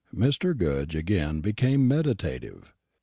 Mr. Goodge again became meditative.